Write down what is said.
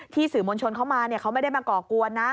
ที่สื่อมวลชนเข้ามาเนี่ยเขาไม่ได้มาก่อกวนนะ